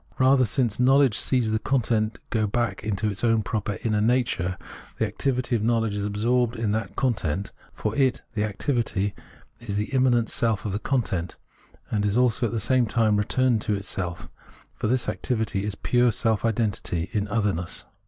Rather, since knowledge sees the content go back into its own proper inner nature, the activity of knowledge is absorbed in that content — for it (the activity) is the immanent self of the content — and is also at the same time returned into itself, for this activity is pure self identity in otherness.